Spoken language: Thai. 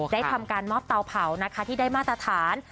ได้ทำการมอบเตาเผานะคะที่ได้มาตรฐาน